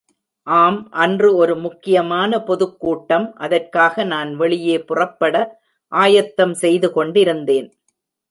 ஆம் அன்று ஒரு முக்கியமான பொதுக்கூட்டம் அதற்காக நான் வெளியே புறப்பட ஆயத்தம் செய்து கொண்டிருந்தேன்.